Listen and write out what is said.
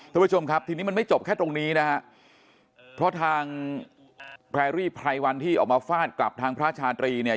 ทุกผู้ชมครับทีนี้มันไม่จบแค่ตรงนี้นะฮะเพราะทางแพรรี่ไพรวันที่ออกมาฟาดกลับทางพระชาตรีเนี่ย